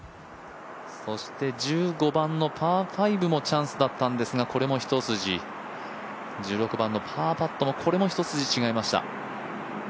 そして１５番のパー５もチャンスだったんですけどこれも一筋、１６番のパーパットもこれも一筋違いました。